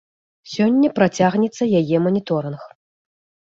Сёння працягнецца яе маніторынг.